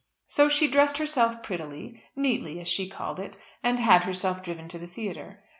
So she dressed herself prettily neatly, as she called it and had herself driven to the theatre.